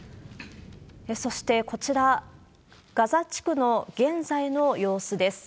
そして、こちら、ガザ地区の現在の様子です。